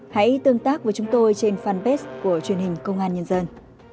hãy tương tác với chúng tôi trên fanpage của truyền hình công an nhân dân